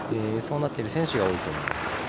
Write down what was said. そうなっている選手が多いと思います。